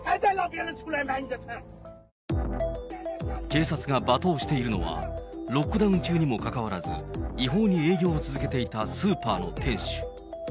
警察が罵倒しているのは、ロックダウン中にもかかわらず、違法に営業を続けていたスーパーの店主。